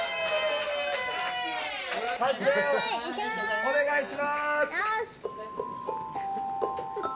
お願いします。